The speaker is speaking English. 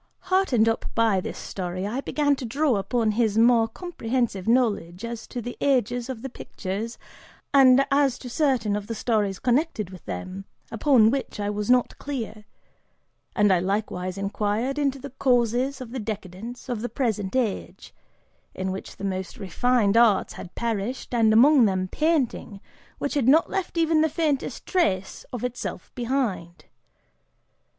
Heartened up by this story, I began to draw upon his more comprehensive knowledge as to the ages of the pictures and as to certain of the stories connected with them, upon which I was not clear; and I likewise inquired into the causes of the decadence of the present age, in which the most refined arts had perished, and among them painting, which had not left even the faintest trace of itself behind.